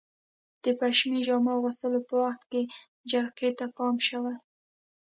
د پشمي جامو اغوستلو په وخت کې جرقې ته پام شوی؟